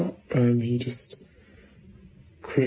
เธอเล่าต่อนะครับ